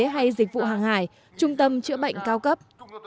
hay dịch vụ hàng hải trung tâm chữa bệnh cao cấp